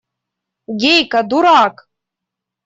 Гейка, дурак!